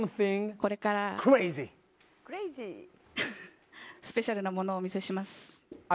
これからスペシャルなものをお見せします。